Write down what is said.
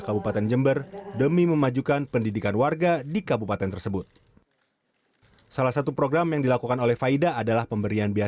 ketua panitia nasional ujian masuk perguruan tinggi keagamaan islam negeri prof dr mahmud menerima penghargaan dari museum rekor indonesia